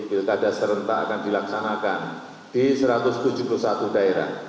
pilkada serentak akan dilaksanakan di satu ratus tujuh puluh satu daerah